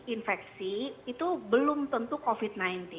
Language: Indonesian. infeksi itu belum tentu covid sembilan belas